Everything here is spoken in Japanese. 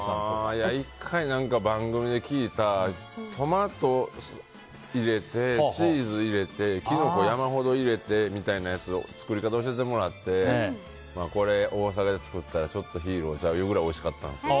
１回、番組で聞いたトマト入れて、チーズ入れてキノコ山ほど入れてみたいなやつを作り方教えてもらってこれ、作ったらちょっとヒーローちゃう？くらいおいしかったんです。